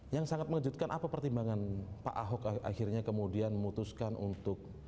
yang sangat mengejutkan apa pertimbangan pak ahok akhirnya kemudian memutuskan untuk